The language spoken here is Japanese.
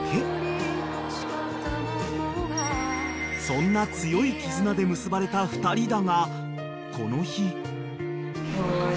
［そんな強い絆で結ばれた２人だがこの日］